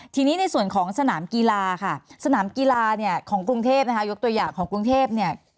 ทีนี้ในส่วนของสนามกีฬาค่ะสนามกีฬาของกรุงเทศยกตัวอย่างของกรุงเทศ